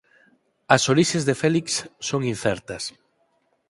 As orixes de Felix son incertas.